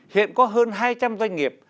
hiện có hơn hai trăm linh doanh nghiệp